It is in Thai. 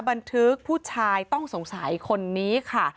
บันทึกผู้ชายต้องสงสัยคนนี้ค่ะ